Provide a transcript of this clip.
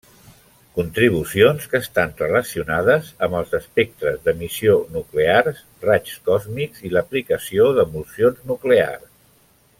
Contribucions que estan relacionades amb els espectres d'emissió nuclears, raigs còsmics, i l'aplicació d'emulsions nuclears.